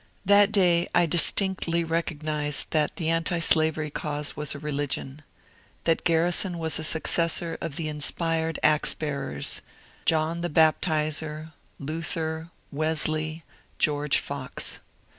That day I distinctly recognized that the antislavery cause was a religion ; that Garrison was a successor of the inspired axe bearers, — John the Baptizer, Luther, Wesley, George Fox.